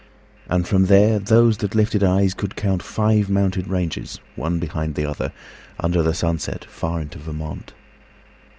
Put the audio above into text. And from there those that lifted eyes could countFive mountain ranges one behind the otherUnder the sunset far into Vermont.